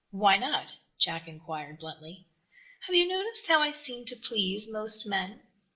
"Why not?" Jack inquired, bluntly. "Have you noticed how I seem to please most men?"